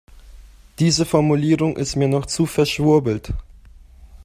Diese Formulierung ist mir noch zu verschwurbelt.